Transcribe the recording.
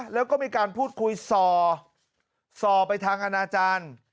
แล้วก็มีการพูดคุยส่อไปทางอนาจารย์